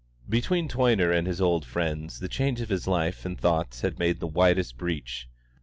Between Toyner and his old friends the change of his life and thoughts had made the widest breach.